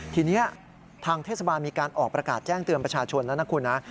ทีนี้ทางเทศบาลมีการออกประกาศแจ้งเตือนประชาชนแล้วนะคุณนะ